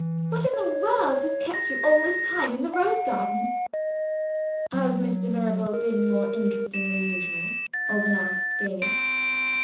"What in the world has kept you all this time in the rose garden?" "Has Mr. Mirabel been more interesting than usual?" Alban asked gayly.